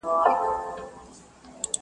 o تر خيښ، ځان را پېش٫